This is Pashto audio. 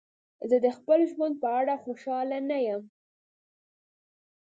زه د خپل ژوند په اړه خوشحاله نه یم.